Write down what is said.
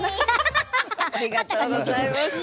ありがとうございます。